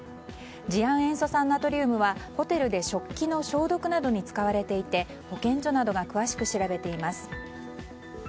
次亜塩素酸ナトリウムはホテルで食器の消毒などに使われていて、保健所などが詳しく調べています。